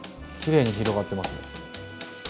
きれいに広がってますね。